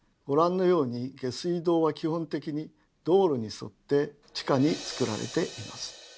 ご覧のように下水道は基本的に道路に沿って地下につくられています。